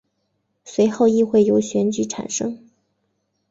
随后议会由选举产生。